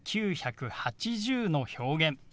「１９８０」の表現